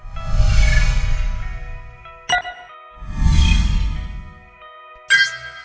cảm ơn các bạn đã theo dõi